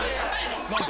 何で？